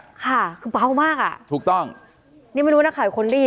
จนไม่เข้มไมค์ถูกต้องตรงนี้ไม่รู้ให้คนได้ยิน